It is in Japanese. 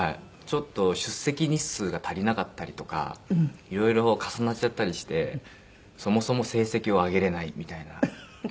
ちょっと出席日数が足りなかったりとかいろいろ重なっちゃったりして「そもそも成績をあげられない」みたいな。